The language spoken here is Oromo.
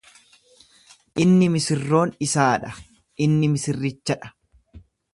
Inni misirroon isaa dha, inni misirricha dha.